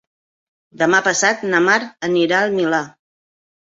Demà passat na Mar anirà al Milà.